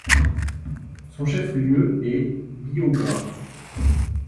Son chef-lieu est Biougra.